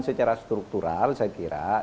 secara struktural saya kira